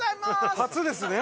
初ですね。